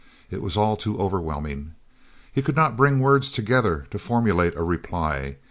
It was all too overwhelming. He could not bring words together to formulate a reply.